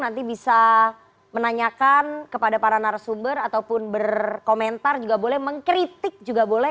nanti bisa menanyakan kepada para narasumber ataupun berkomentar juga boleh mengkritik juga boleh